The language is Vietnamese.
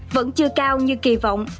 vẫn chưa cao như kỳ vọng